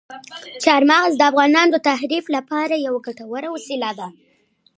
چار مغز د افغانانو د تفریح لپاره یوه ګټوره وسیله ده.